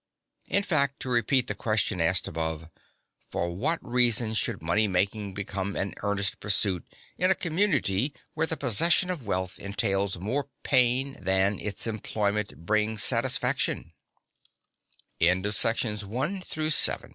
In fact, to repeat the question asked above, for what reason should money making become an earnest pursuit in a community where the possession of wealth entails more pain than its employment brin